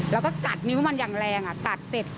แล้วก็กัดนิ้วมันอย่างแรงกัดเสร็จ